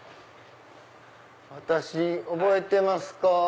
私覚えてますか？